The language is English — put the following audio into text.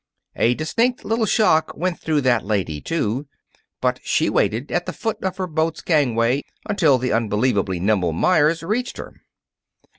A distinct little shock went through that lady, too. But she waited at the foot of her boat's gangway until the unbelievably nimble Meyers reached her.